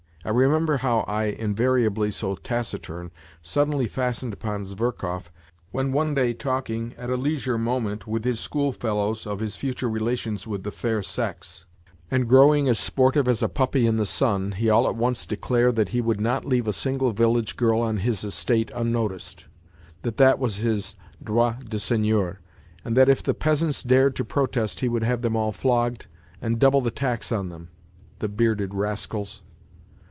I remember how I. invariably so taciturn, suddenly fastened upon Zverkov, when one day talking at a leisure moment 98 NOTES FROM UNDERGROUND with his schoolfellows of his future relations with the fair sex, and growing as sportive as a puppy in the sun, he all at once declared that he would not leave a single village girl on his estate unnoticed, that that was his droit de seigneur, and that if the peasants dared to protest he would have them all flogged and double the tax on them, the bearded rascals.